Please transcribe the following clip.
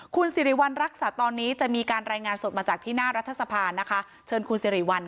คุณสิริวัณรักษัตริย์ตอนนี้จะมีการรายงานสดมาจากที่หน้ารัฐสภานะคะเชิญคุณสิริวัล